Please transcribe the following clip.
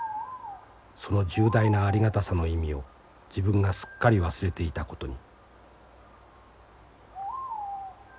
その重大なありがたさの意味を自分がすっかり忘れていたことに」。